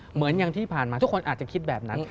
เหมือนอย่างที่ผ่านมาทุกคนอาจจะคิดแบบนั้น